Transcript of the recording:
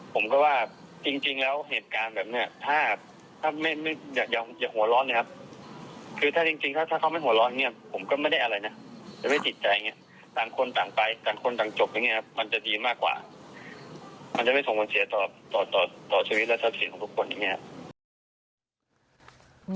ก็ว่าปาดหน้าเหรอ